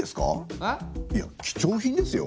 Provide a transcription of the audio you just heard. いや貴重品ですよ？